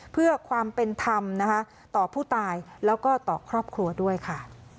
เพื่อความเป็นธรรมนะคะต่อผู้ตายแล้วก็ต่อครอบครัวด้วยค่ะ